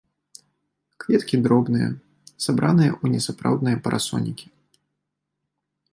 Кветкі дробныя, сабраныя ў несапраўдныя парасонікі.